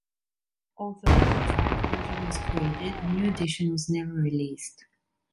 Although a draft version was created, a new edition was never released.